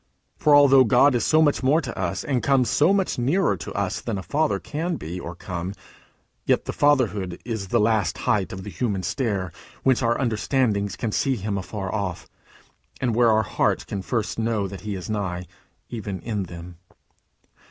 For although God is so much more to us, and comes so much nearer to us than a father can be or come, yet the fatherhood is the last height of the human stair whence our understandings can see him afar off, and where our hearts can first know that he is nigh, even in them.